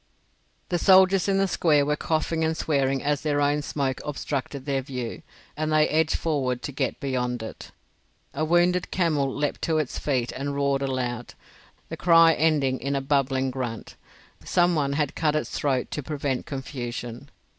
The soldiers in the square were coughing and swearing as their own smoke obstructed their view, and they edged forward to get beyond it. A wounded camel leaped to its feet and roared aloud, the cry ending in a bubbling grunt. Some one had cut its throat to prevent confusion.